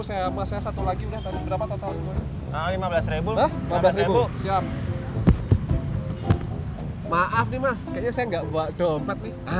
sama saya satu lagi udah berapa total lima belas siap maaf nih mas kayaknya saya nggak bawa dompet nih